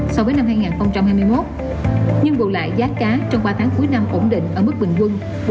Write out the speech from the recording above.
so với năm hai nghìn hai mươi một nhưng bù lại giá cá trong ba tháng cuối năm ổn định ở mức bình quân